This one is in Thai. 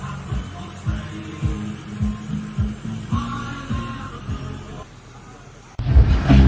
สวัสดีครับวันนี้ชัพเบียนเอ้าเฮ้ย